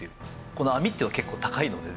この網っていうのが結構高いのでね